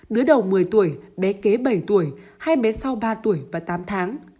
đứa đầu một mươi tuổi bé kế bảy tuổi hai bé sau ba tuổi và tám tháng